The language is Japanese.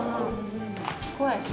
怖い。